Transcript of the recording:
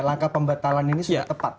langkah pembatalan ini sudah tepat